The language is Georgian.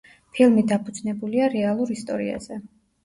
ფილმი დაფუძნებულია რეალურ ისტორიაზე.